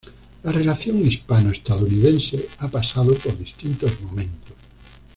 La relación hispano-estadounidense ha pasado por distintos momentos.